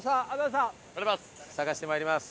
探してまいります。